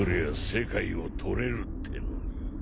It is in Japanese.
世界を取れるってのに。